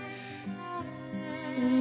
うん。